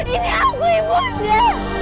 ini aku ibu nda